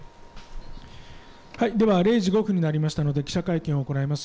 では０時５分になりましたので記者会見を行います。